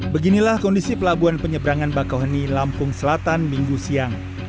beginilah kondisi pelabuhan penyeberangan bakauheni lampung selatan minggu siang